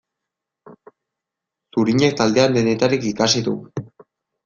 Zurinek taldean denetarik ikasi du.